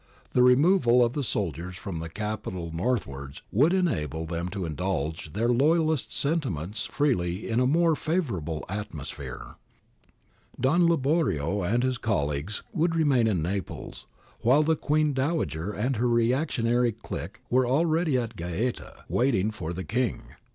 The removal of the soldiers from the Capital northwards would enable them to indulge their loyalist sentiments freely in a more favourable atmosphere. Don Liborio and his colleagues would remain in Naples, while the Queen Dowager and her reactionary clique were already at Gaeta waiting for the King.